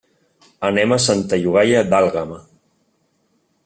Anem a Santa Llogaia d'Àlguema.